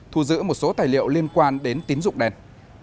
thu giữ một số tài liệu liên quan đến tín dụng đen